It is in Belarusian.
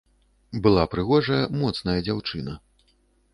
Была прыгожая, моцная дзяўчына.